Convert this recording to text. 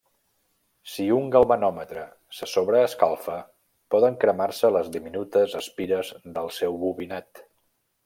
Si un galvanòmetre se sobreescalfa, poden cremar-se les diminutes espires del seu bobinat.